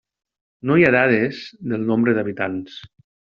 No hi ha dades del nombre d'habitants.